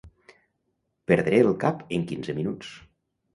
Perdré el cap en quinze minuts.